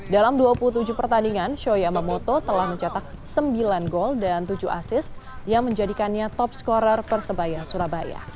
dalam dua puluh tujuh pertandingan shoyamamoto telah mencetak sembilan gol dan tujuh asis yang menjadikannya top scorer persebaya surabaya